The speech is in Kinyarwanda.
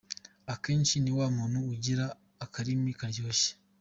akenshi ni wa muntu ugira akarimi karyoshye.